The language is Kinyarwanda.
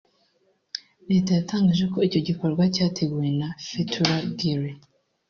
Leta yatangaje ko icyo gikorwa cyateguwe na Fethullah Gulen